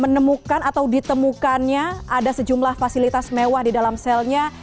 menemukan atau ditemukannya ada sejumlah fasilitas mewah di dalam selnya